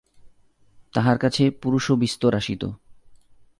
তাঁহার কাছে পুরুষও বিস্তর আসিত।